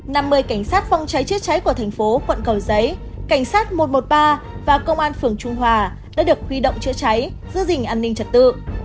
cảnh sát phong cháy chết cháy của thành phố quận cầu giấy cảnh sát một trăm một mươi ba và công an phường trung hòa đã được huy động chữa cháy giữ gìn an ninh trật tự